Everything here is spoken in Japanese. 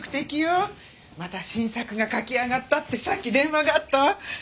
また新作が書き上がったってさっき電話があったわ。